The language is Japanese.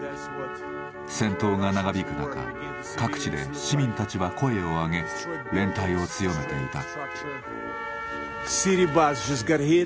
戦闘が長引く中各地で市民たちは声を上げ連帯を強めていた。